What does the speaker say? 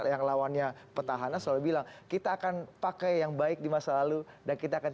yang lawannya petahana selalu bilang kita akan pakai yang baik di masa lalu dan kita akan